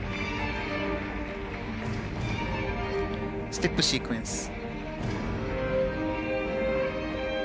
ステップシークエンス。